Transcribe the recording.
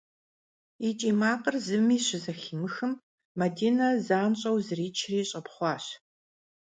Yi ç'iy makhır zımi şızeximıxım, Madine zanş'eu zriçri ş'epxhuaş.